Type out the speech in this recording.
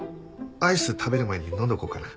アイス食べる前に飲んどこうかな。